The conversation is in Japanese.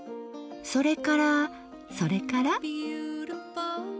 それからそれから？